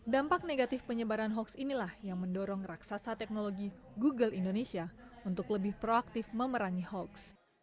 dampak negatif penyebaran hoax inilah yang mendorong raksasa teknologi google indonesia untuk lebih proaktif memerangi hoax